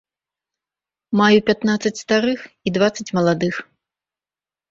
Маю пятнаццаць старых і дваццаць маладых.